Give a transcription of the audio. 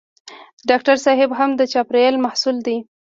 ډاکټر صېب هم د چاپېریال محصول دی.